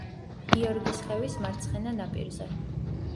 გიორგის ხევის მარცხენა ნაპირზე.